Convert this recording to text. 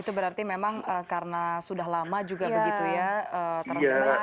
itu berarti memang karena sudah lama juga begitu ya terlalu banyak air